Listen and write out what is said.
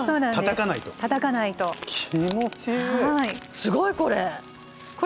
すごいこれ！